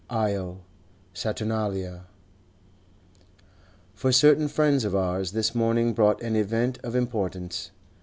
Io Saturnalia! For certain friends of ours this morning brought an event of importance.